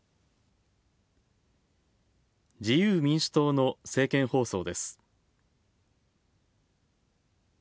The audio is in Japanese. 自由民主党の政見放送です。